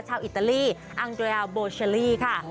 ชาวอิตาลีอังเดอร์บอร์เชลลี่ค่ะ